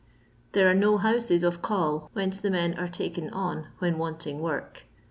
There are no houses of call whence the men are taken on when wanting work.